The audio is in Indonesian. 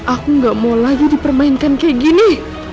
aku gak mau lagi dipermainkan kayak gini